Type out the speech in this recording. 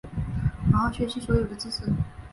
好好学习所有的知识